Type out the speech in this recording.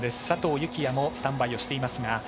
佐藤幸椰もスタンバイしています。